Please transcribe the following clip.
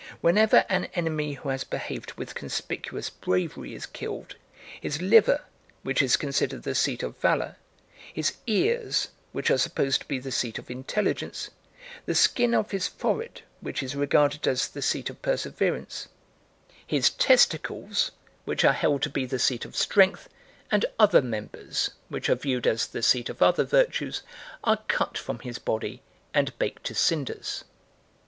Whenever an enemy who has behaved with conspicuous bravery is killed, his liver, which is considered the seat of valour; his ears, which are supposed to be the seat of intelligence; the skin of his forehead, which is regarded as the seat of perseverance; his testicles, which are held to be the seat of strength; and other members, which are viewed as the seat of other virtues, are cut from his body and baked to cinders.